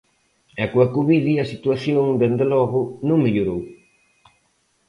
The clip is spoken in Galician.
E coa covid a situación, dende logo, non mellorou.